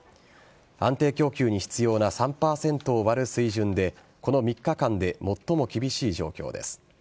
安定供給に必要な３％を割る水準でこの３日間で最も厳しい状況です。